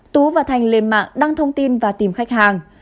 tú và thành lên mạng đăng thông tin và tìm khách hàng